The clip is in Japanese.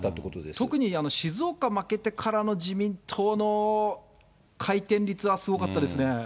特に静岡負けてからの自民党の回転率はすごかったですね。